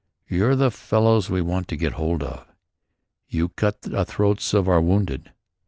"You're the fellows we want to get hold of. You cut the throats of our wounded."